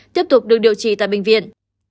tiếp tục được điều trị tại bệnh viện